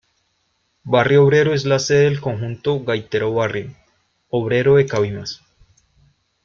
Barrio Obrero es la sede del conjunto Gaitero Barrio Obrero de Cabimas.